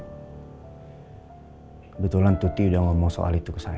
kebetulan tuti udah ngomong soal itu ke saya